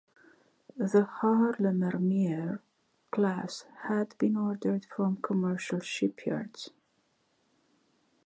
The "Haarlemmermeer" class had been ordered from commercial shipyards.